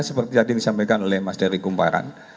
seperti tadi disampaikan oleh mas dery kumparan